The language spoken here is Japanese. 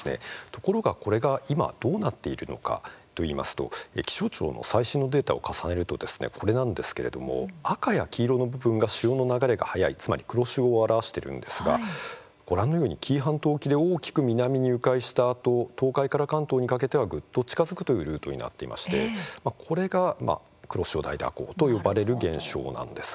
ところが、これが今どうなっているのかといいますと気象庁の最新のデータを重ねるとこれなんですけれども赤や黄色の部分が潮の流れが速いつまり黒潮を表しているんですがご覧のように紀伊半島沖で大きく南に、う回したあと東海から関東にかけてはぐっと近づくというルートになっていましてこれが黒潮大蛇行と呼ばれる現象なんです。